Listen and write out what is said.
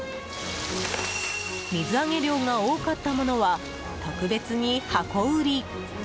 水揚げ量が多かったものは特別に箱売り。